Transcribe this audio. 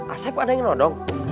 asep ada yang nodong